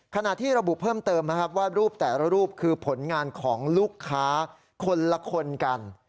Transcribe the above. ขณะที่ระบุเพิ่มเติมนะครับว่ารูปแต่ละรูปคือผลงานของลูกค้าคนละคนกัน